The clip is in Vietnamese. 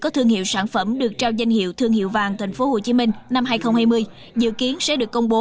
có thương hiệu sản phẩm được trao danh hiệu thương hiệu vàng tp hcm năm hai nghìn hai mươi dự kiến sẽ được công bố